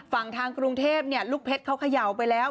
ฝั่งทางกรุงเทพลูกเพชรเขาเขย่าไปแล้ว